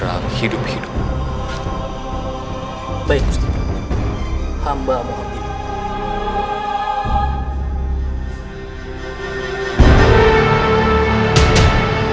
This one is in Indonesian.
jangan sampai kita menangkap mereka